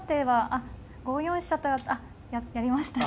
あっやりました。